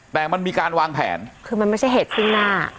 แต่มันมีการวางแผนคือมันไม่ใช่เหตุซึ่งหน้า